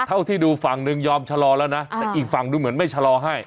เท่าที่ดูฝั่งหนึ่งยอมชะลอแล้วนะแต่อีกฝั่งดูเหมือนไม่ชะลอให้